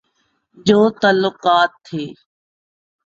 جو تعلقات تھے۔